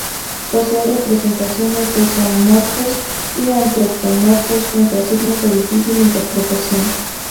Posee representaciones de zoomorfos y antropomorfos junto a signos de difícil interpretación.